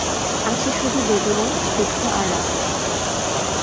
আছে শুধু বেদনা, দুঃখ আর রাগ।